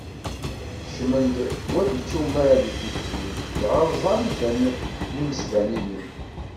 Kecmen-d wat icumar deg tikli, dɣa ẓẓɛen-ten yimesbaniyen.